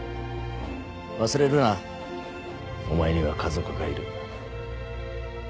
忘れるなお前には家族がいる。